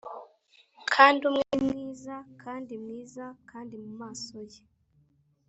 kandi umwe ni mwiza kandi mwiza, kandi mumaso ye